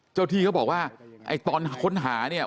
เจ้าที่เขาบอกว่าตอนค้นหาเนี่ย